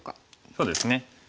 そうですね。